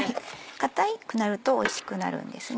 硬くなるとおいしくなるんですね。